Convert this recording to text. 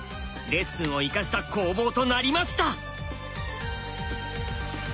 レッスンを生かした攻防となりました。